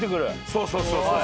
そうそうそうそう。